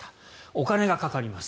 お金がかかります。